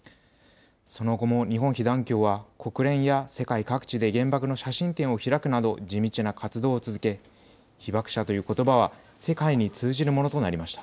その後も日本被団協は国連や世界各地で原爆の写真展を開くなど地道な活動を続けヒバクシャということばは世界に通じるものとなりました。